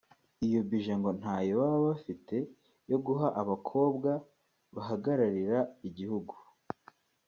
iyo budget ngo ntayo baba bafite yo guha abakobwa bahagararira igihugu